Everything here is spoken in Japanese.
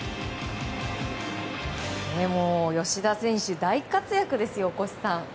吉田選手、大活躍ですよ大越さん。